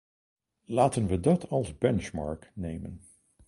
Laten we dat als benchmark nemen.